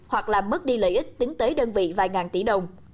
hoặc làm mất đi lợi ích tính tới đơn vị vài ngàn tỷ đồng